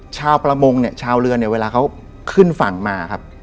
ชาวประมงเนี่ยชาวเรือเนี่ยเวลาเขาขึ้นฝั่งมาครับ